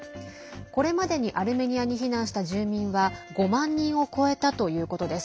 これまでにアルメニアに避難した住民は５万人を超えたということです。